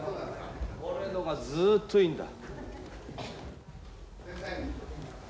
これのがずっといいんだ。